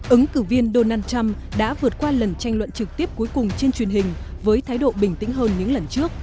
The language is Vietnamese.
ứng cử viên donald trump đã vượt qua lần tranh luận trực tiếp cuối cùng trên truyền hình với thái độ bình tĩnh hơn những lần trước